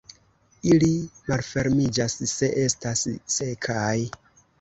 Ili malfermiĝas se estas sekaj.